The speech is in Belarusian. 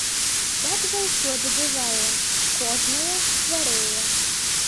Так заўсёды бывае, кожная хварэе.